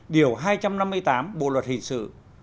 điều hai trăm năm mươi tám bộ luật hình sự